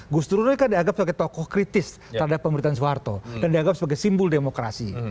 gus dur ini kan dianggap sebagai tokoh kritis terhadap pemerintahan soeharto dan dianggap sebagai simbol demokrasi